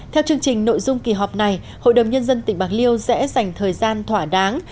theo chương trình nội dung kỳ họp này hội đồng nhân dân tỉnh bạc liêu sẽ dành thời gian thỏa đáng